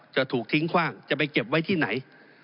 จะถูกทิ้งคว่างจะไปเก็บไว้ที่ไหน